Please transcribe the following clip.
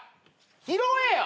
拾えよ！